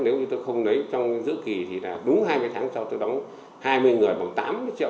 nếu như tôi không lấy trong giữa kỳ thì là đúng hai mươi tháng sau tôi đóng hai mươi người bằng tám mươi triệu